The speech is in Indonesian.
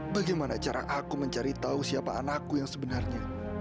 bagaimana cara aku mencari tahu siapa anakku yang sebenarnya